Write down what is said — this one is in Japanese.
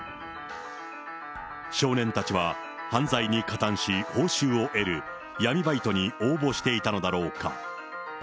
少年たちは犯罪に加担し、報酬を得る、闇バイトに応募していたのだろうか。